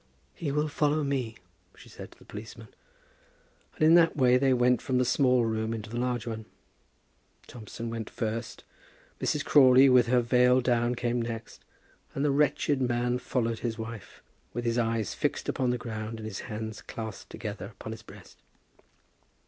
"He will follow me," she said to the policeman. And in that way they went from the small room into the large one. Thompson went first; Mrs. Crawley with her veil down came next; and the wretched man followed his wife, with his eyes fixed upon the ground and his hands clasped together upon his breast.